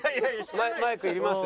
マイクいります？